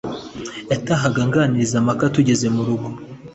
Yatahaga anganiriza mpaka tugeze mu rugo